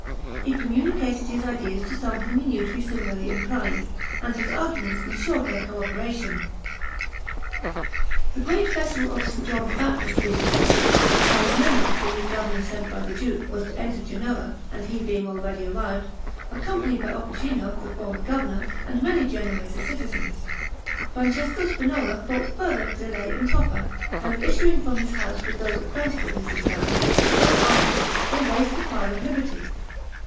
He communicated his ideas to some whom he knew to be similarly inclined, and his arguments ensured their co operation. The great festival of St. John the Baptist being come, when Arismeno, the new governor sent by the duke, was to enter Genoa, and he being already arrived, accompanied by Opicino, the former governor, and many Genoese citizens, Francesco Spinola thought further delay improper; and, issuing from his house with those acquainted with his design, all armed, they raised the cry of liberty.